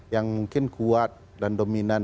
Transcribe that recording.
yang mungkin kuat dan dominan